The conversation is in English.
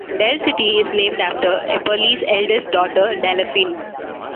Del City is named after Epperly's eldest daughter Delaphene.